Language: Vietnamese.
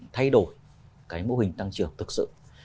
thay đổi cái mô hình tăng trưởng thực sự